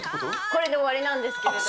これで終わりなんですけれども。